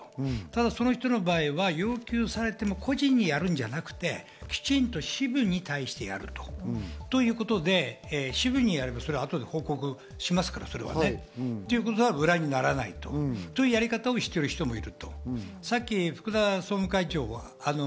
その人の場合は要求されても個人にやるんじゃなくて、きちんと支部に対してやるということで支部にやれば、それは後で報告しますからそれは、ということは裏にならないというやり方をしてる人もいる。